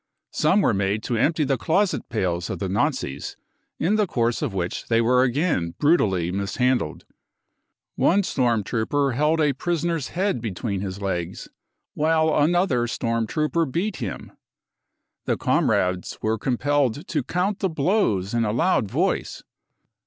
Some were made to empty the closet pails of the Nazis, in the course of which they were again brutally mis handled. One storm trooper held a prisoner's head between his legs, while another storm trooper beat him. The comrades were compelled to count the blows in a loud voice.